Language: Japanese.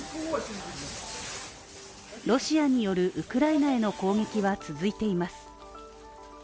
ロシアによる、ウクライナへの攻撃は続いています。